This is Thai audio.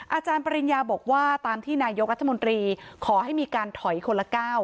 อาจารย์ปริญญาบอกว่าตามที่นายกรัฐมนตรีขอให้มีการถอยคนละก้าว